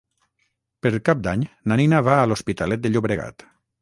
Per Cap d'Any na Nina va a l'Hospitalet de Llobregat.